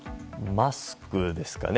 マスクですかね。